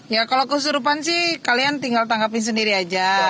ya kalau kesurupan sih kalian tinggal tangkapin sendiri aja